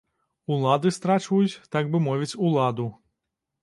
Улады страчваюць, так бы мовіць, уладу.